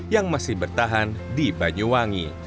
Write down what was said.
yang masih bertahan di banyuwangi